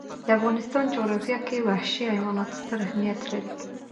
د افغانستان جغرافیه کې وحشي حیوانات ستر اهمیت لري.